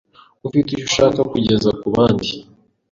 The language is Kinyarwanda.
ufite icyo ushaka kugeza ku bandi